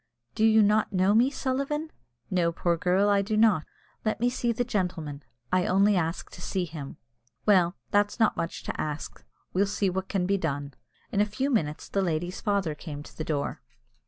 "Do you not know me, Sullivan?" "No, poor girl, I do not." "Let me see the gentleman. I only ask to see him." "Well, that's not much to ax; we'll see what can be done." In a few moments the lady's father came to the door.